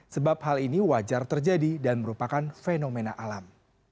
sebab hal ini wajar terjadi dan merupakan fenomena alam